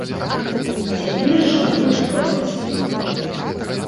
Цяпер жа больш бацькі.